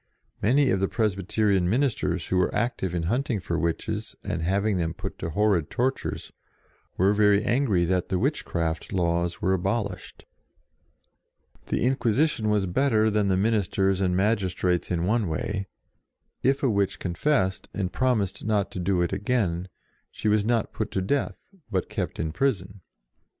Many of the Presby terian ministers, who were active in hunt ing for witches and having them put to horrid tortures, were very angry that the withcraft laws were abolished. The In quisition was better than the ministers and magistrates in one way: if a witch con fessed, and promised not to do it again, she was not put to death, but kept in prison.